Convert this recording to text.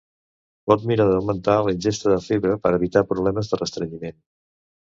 Pot mirar d'augmentar la ingesta de fibra per evitar problemes de restrenyiment.